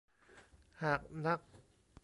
หากนัก